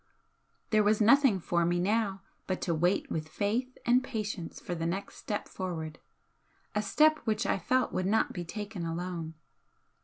There was nothing for me now but to wait with faith and patience for the next step forward a step which I felt would not be taken alone.